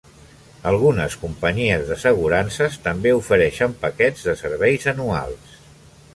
Algunes companyies d'assegurances també ofereixen paquets de serveis anuals.